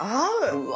うわ！